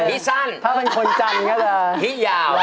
หิ่สั้นถ้ามันคนจำก็จะหิ่ยาว